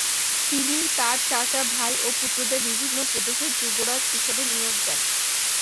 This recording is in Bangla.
তিনি তার চাচা, ভাই ও পুত্রদের বিভিন্ন প্রদেশের যুবরাজ হিসেবে নিয়োগ দেন।